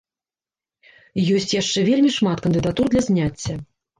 Ёсць яшчэ вельмі шмат кандыдатур для зняцця.